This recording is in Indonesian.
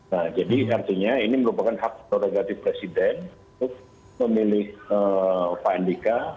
nah jadi artinya ini merupakan hak prerogatif presiden untuk memilih pak andika